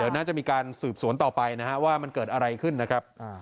น่าจะมีการสืบสวนต่อไปนะฮะว่ามันเกิดอะไรขึ้นนะครับ